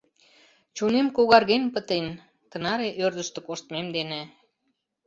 Чонем когарген пытен тынаре ӧрдыжтӧ коштмем дене.